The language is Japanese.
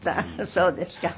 そうですか。